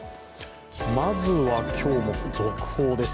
まずは、今日も続報です。